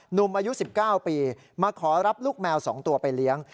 หนุ่มอายุ๑๙ปีมาขอรับลูกแมว๒ตัวไปเลี้ยง